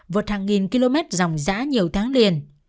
vượt hàng nghìn km dòng dã nhiều tháng liền